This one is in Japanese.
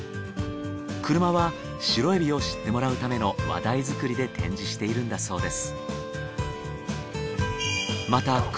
車はシロエビを知ってもらうための話題づくりで展示しているんだそうです。